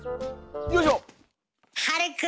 よいしょ。